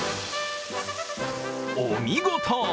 お見事！